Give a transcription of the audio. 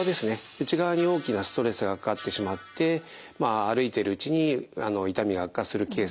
内側に大きなストレスがかかってしまって歩いているうちに痛みが悪化するケースが多く見られます。